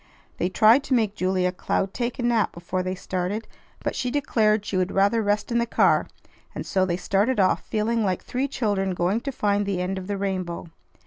They tried to make Julia Cloud take a nap before they started, but she declared she would rather rest in the car; and so they started off, feeling like three children going to find the end of the rainbow.